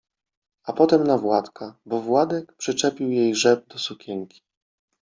A potem na Władka, bo Władek przyczepił jej rzep do sukienki.